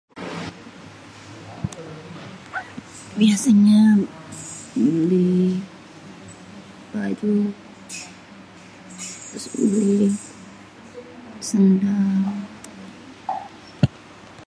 biasényé beli. baju, térus beli séndal.